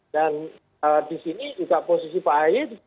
dan di sini juga posisi pak aye